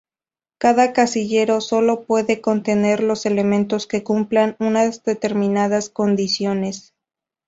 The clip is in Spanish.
Cada casillero sólo puede contener los elementos que cumplan unas determinadas condiciones.